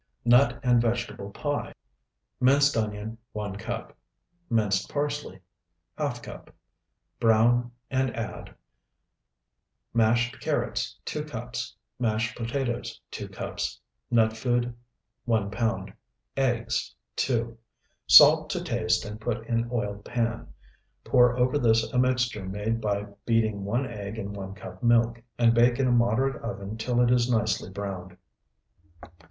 NUT AND VEGETABLE PIE Minced onion, 1 cup. Minced parsley, ½ cup. Brown and add Mashed carrots, 2 cups. Mashed potatoes, 2 cups. Nut food, 1 pound. Eggs, 2. Salt to taste and put in oiled pan. Pour over this a mixture made by beating one egg in one cup milk, and bake in a moderate oven till it is nicely browned.